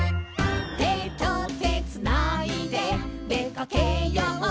「手と手つないででかけよう」